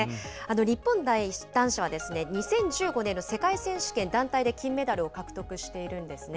日本男子は、２０１５年の世界選手権団体で金メダルを獲得しているんですね。